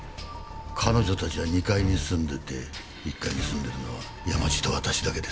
彼女たちは２階に住んでて１階に住んでるのは山路と私だけです。